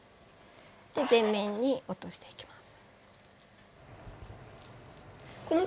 で全面に落としていきます。